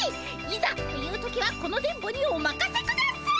いざという時はこの電ボにおまかせください！